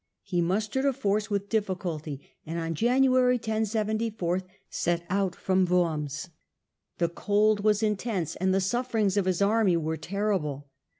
He mustered a force with difficulty, and in January, 1074, set out from Worms. The cold was intense, and the sufferings of his army were terrible.